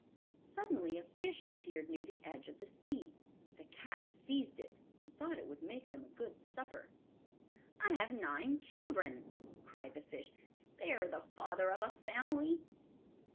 Suddenly a fish appeared near the edge of the sea. The cat seized it, and thought it would make them a good supper. 'I have nine little children,' cried the fish. 'Spare the father of a family!